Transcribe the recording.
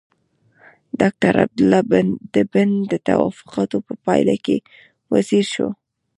ډاکټر عبدالله د بن د توافقاتو په پايله کې وزیر شو.